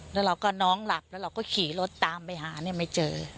แล้วเราก็น้องหลับแล้วเราก็ขี่รถตามไปหาเนี่ยไม่เจอ